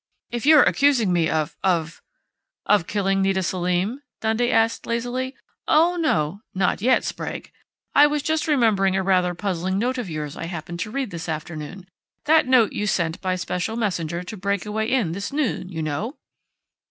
"If you're accusing me of of " "Of killing Nita Selim?" Dundee asked lazily. "Oh, no! Not yet, Sprague! I was just remembering a rather puzzling note of yours I happened to read this afternoon.... That note you sent by special messenger to Breakaway Inn this noon, you know."